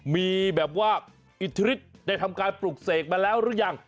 มีแบบว่าอิทธิฤทธิ์ได้ทำการปลูกเสกมาแล้วหรือยัง